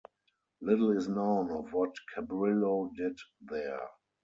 Little is known of what Cabrillo did there.